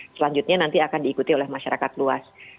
selanjutnya nanti akan diikuti oleh masyarakat luas